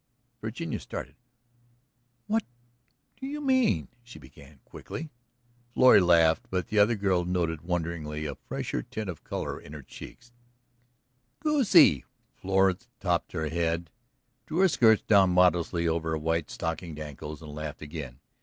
Virginia started. "You don't mean ..." she began quickly. Florrie laughed, but the other girl noted wonderingly a fresher tint of color in her cool cheeks. "Goosey!" Florrie tossed her head, drew her skirts down modestly over her white stockinged ankles and laughed again.